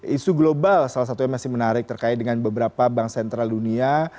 isu global salah satunya masih menarik terkait dengan beberapa bank sentral dunia